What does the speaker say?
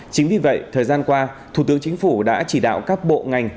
chính vì vậy thời gian qua thủ tướng chính phủ đã chỉ đạo các bộ ngành